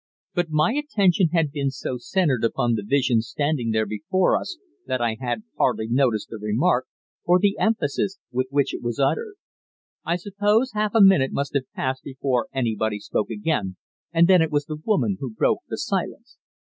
but my attention had been so centred upon the Vision standing there before us that I had hardly noticed the remark, or the emphasis with which it was uttered. I suppose half a minute must have passed before anybody spoke again, and then it was the woman who broke the silence.